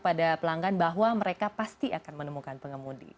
dan juga kepada pelanggan bahwa mereka pasti akan menemukan pengemudi